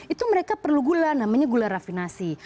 itu mereka perlu gula namanya gula rafinasi